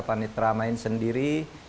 panitra main sendiri